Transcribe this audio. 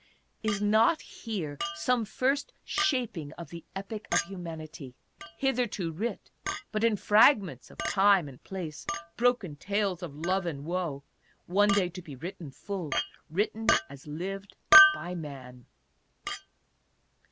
Is not here some first shaping of the Epic of Humanity, hitherto writ but in fragments of time and place, broken tales " of love and woe," one day to be written full, written as lived by man